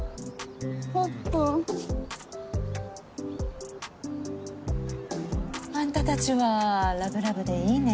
ほっくん。あんたたちはラブラブでいいね。